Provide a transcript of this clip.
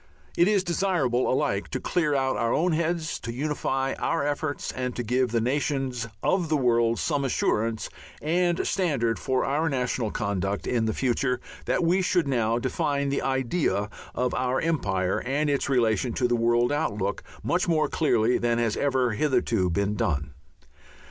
It is desirable alike to clear our own heads, to unify our efforts, and to give the nations of the world some assurance and standard for our national conduct in the future, that we should now define the Idea of our Empire and its relation to the world outlook much more clearly than has ever hitherto been done.